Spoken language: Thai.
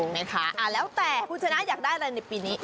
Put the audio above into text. ไหมคะแล้วแต่คุณชนะอยากได้อะไรในปีนี้